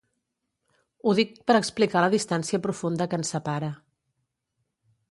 Ho dic per explicar la distància profunda que ens separa